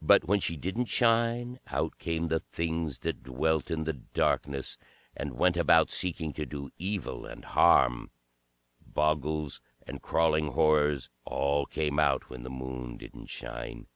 But when she didn't shine, out came the Things that dwelt in the darkness and went about seeking to do evil and harm; Bogles and Crawling Horrors, all came out when the Moon didn't shine.